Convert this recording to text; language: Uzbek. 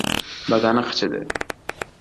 Badani qichidi.